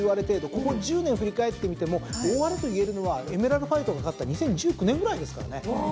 ここ１０年振り返ってみても大荒れといえるのはエメラルファイトが勝った２０１９年ぐらいですからね。